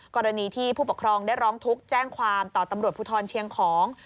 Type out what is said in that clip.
กรณีที่ผู้ปกครองได้ร้องทุกข์แจ้งความต่อตำรวจภูทรเชียงของ